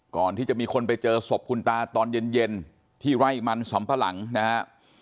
ก่อนที่จะมีคนไปเจอศพคุณตาตอนเย็นที่ไร่มันสำปะหลังนะฮะ